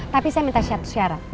tapi saya minta syarat